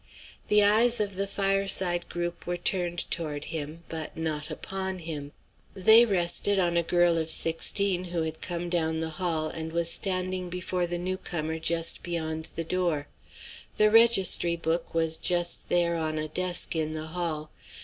The eyes of the fireside group were turned toward him; but not upon him. They rested on a girl of sixteen who had come down the hall, and was standing before the new comer just beyond the door. The registry book was just there on a desk in the hall.